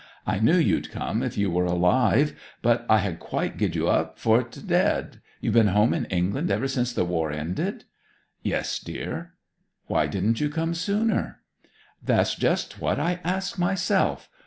I knew you'd come if you were alive! But I had quite gi'd you up for dead. You've been home in England ever since the war ended?' 'Yes, dear.' 'Why didn't you come sooner?' 'That's just what I ask myself!